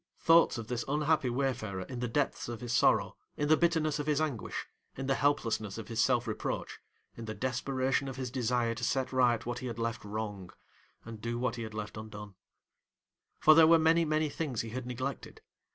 Thoughts of this unhappy wayfarer in the depths of his sorrow, in the bitterness of his anguish, in the helplessness of his self reproach, in the desperation of his desire to set right what he had left wrong, and do what he had left undone. For, there were many, many things he had neglected.